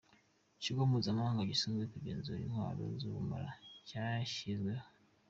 Ikigo mpuzamahanga gishinzwe kugenzura intwaro z’ubumara cyashyizweho.